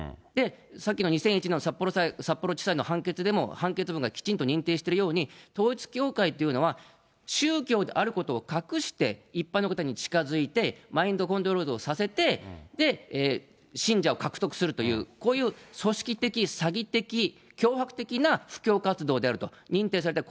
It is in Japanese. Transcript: さっきの２００１年の札幌地裁の判決でも、判決文がきちんと認定しているように、統一教会というのは、宗教であることを隠して、一般の方に近づいて、マインドコントロールをさせて、信者を獲得するという、こういう組織的、詐欺的、脅迫的な布教活動であると認定された。